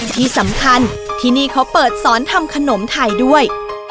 ที่สำคัญที่นี่เขาเปิดสอนทำขนมไทยด้วย